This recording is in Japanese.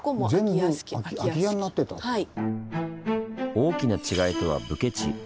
大きな違いとは武家地。